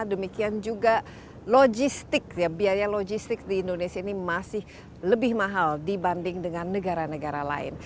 demikian juga logistik biaya logistik di indonesia ini masih lebih mahal dibanding dengan negara negara lain